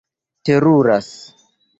teruras